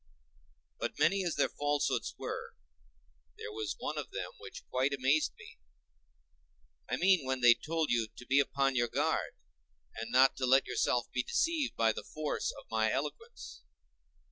But many as their falsehoods were, there was one of them which quite amazed me: I mean when they told you to be upon your guard, and not to let yourself be deceived by the force of my eloquence.